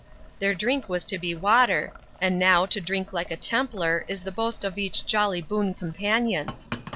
Their drink was to be water, and now, to drink like a Templar, is the boast of each jolly boon companion!